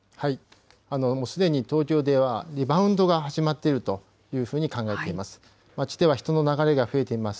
すでに東京では、リバウンドが始まっているというふうに考えています。